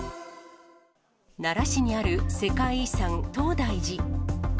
奈良市にある世界遺産、東大寺。